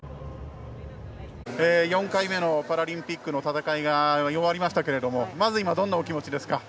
４回目のパラリンピックの戦いが終わりましたけどもまず今、どんなお気持ちですか。